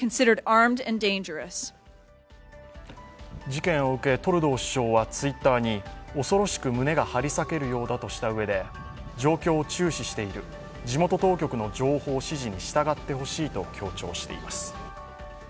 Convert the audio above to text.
事件を受け、トルドー首相はＴｗｉｔｔｅｒに恐ろしく胸が張り裂けるようだとしたうえで状況を注視している地元当局の情報、指示に従ってほしいと強調しています。